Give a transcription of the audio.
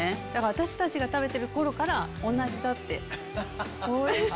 私たちが食べてる頃から同じだって。